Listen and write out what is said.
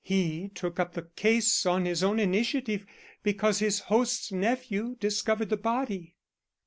He took up the case on his own initiative because his host's nephew discovered the body."